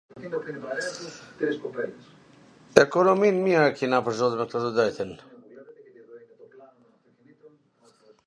Ekonomin mir e kena pwr zotin me thwn tw drejtwn